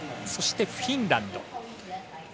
そしてフィンランド。